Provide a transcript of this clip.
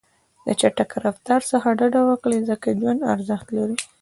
د چټک رفتار څخه ډډه وکړئ، ځکه ژوند ارزښت لري.